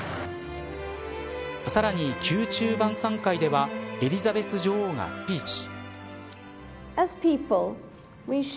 さらに宮中晩さん会ではエリザベス女王がスピーチ。